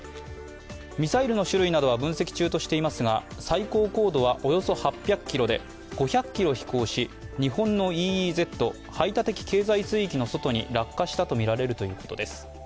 ミサイルの種類などは分析中としていますが最高高度はおよそ８００ｋｍで５００ｋｍ飛行し、日本のＥＥＺ＝排他的経済水域の外に落下したとみられるということです。